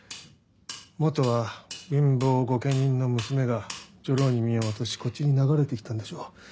元は貧乏御家人の娘が女郎に身を落としこっちに流れて来たんでしょう。